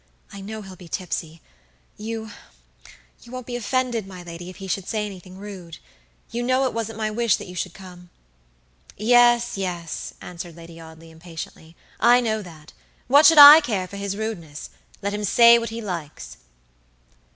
"I know he'll be tipsy. Youyou won't be offended, my lady, if he should say anything rude? You know it wasn't my wish that you should come." "Yes, yes," answered Lady Audley, impatiently, "I know that. What should I care for his rudeness! Let him say what he likes."